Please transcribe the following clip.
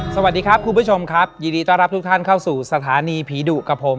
สวัสดีครับคุณผู้ชมครับยินดีต้อนรับทุกท่านเข้าสู่สถานีผีดุกับผม